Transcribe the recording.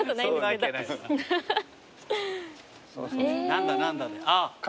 何だ何だ。